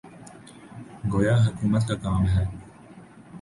گویا حکومت کا کام ہے۔